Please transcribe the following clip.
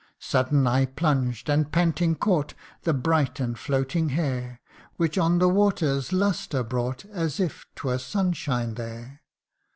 Sudden I plunged, and panting caught The bright and floating hair, Which on the waters lustre brought, As if 'twere sunshine there.